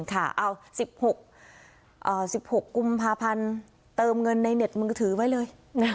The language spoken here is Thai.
เอา๑๖๑๖กุมภาพันธ์เติมเงินในเน็ตมือถือไว้เลย